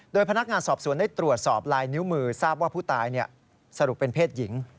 โดยพนักงานสอบสวนได้ตรวจสอบลายนิ้วมือทราบว่าผู้ตายสรุปเป็นเพศหญิง